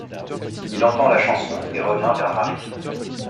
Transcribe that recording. Il entend la chanson et revient vers Mary.